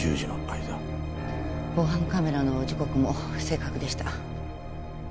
防犯カメラの時刻も正確でした。